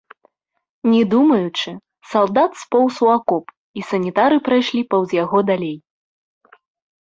Не думаючы, салдат споўз у акоп, і санітары прайшлі паўз яго далей.